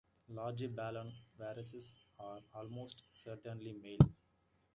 Large Ballan wrasses are almost certainly male.